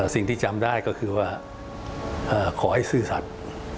จำได้ก็คือว่าขอให้ซื่อสัตว์